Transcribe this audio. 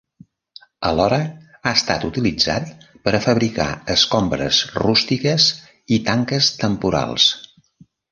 Alhora, ha estat utilitzat per a fabricar escombres rústiques i tanques temporals.